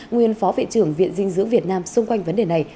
nguyên phó viện trưởng viện dinh dưỡng việt nam xung quanh vấn đề này